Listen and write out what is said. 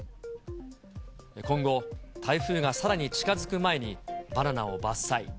今後、台風がさらに近づく前に、バナナを伐採。